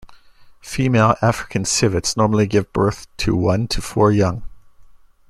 Female African civets normally give birth to one to four young.